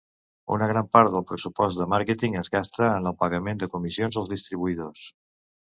Una gran part del pressupost de màrqueting es gasta en el pagament de comissions als distribuïdors.